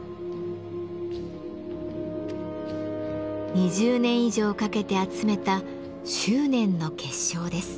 ２０年以上かけて集めた執念の結晶です。